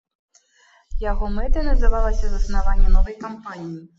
Яго мэтай называлася заснаванне новай кампаніі.